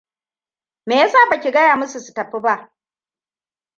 Me ya sa ba ki gaya musu su tafi ba?